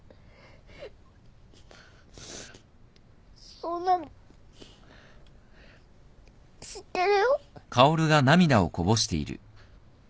そんなの知ってるよ。